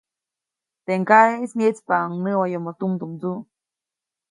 Teʼ ŋgaʼeʼis myeʼtspaʼuŋ näwayomoʼ tumdumndsuʼ.